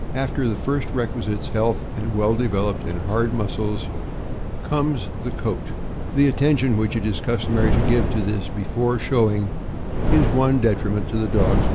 After the first requisites, health and well developed and hard muscles, comes the coat. The attention which it is customary to give to this before showing is one detriment to the dog's popularity.